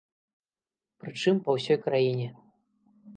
Прычым па ўсёй краіне.